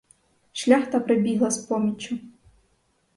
Шляхта прибігла з поміччю.